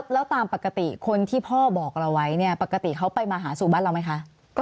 แล้วตามปกติคนที่พ่อบอกเราไว้เนี่ยปกติเขาไปมาหาสู่บ้านเราไหมคะ